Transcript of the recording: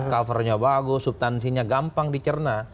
covernya bagus subtansinya gampang dicerna